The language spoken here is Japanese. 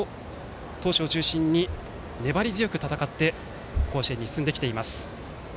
投手を中心に粘り強く戦って甲子園に進んできています。